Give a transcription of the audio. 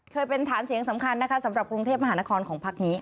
เคยเป็นฐานเสียงสำคัญนะคะสำหรับกรุงเทพมหานครของพักนี้